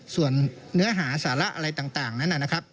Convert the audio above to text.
ส่วนเนื้อหาสาระอะไรต่างนั้นนะครับ